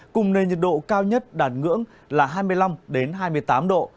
cùng nền nhiệt độ cao nhất đạt ngưỡng là hai mươi năm hai mươi tám độ